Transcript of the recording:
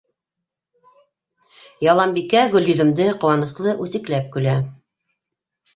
Яланбикә Гөлйөҙөмдө ҡыуаныслы үсекләп көлә.